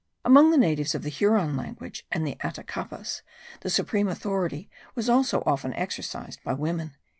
Among the nations of the Huron tongue, and the Attakapas, the supreme authority was also often exercised by women.))